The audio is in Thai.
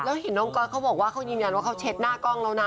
แล้วเห็นน้องก๊อตเขาบอกว่าเขายืนยันว่าเขาเช็ดหน้ากล้องแล้วนะ